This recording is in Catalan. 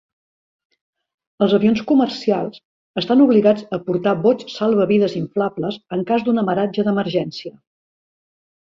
Els avions comercials estan obligats a portar bots salvavides inflables en cas d'un amaratge d'emergència.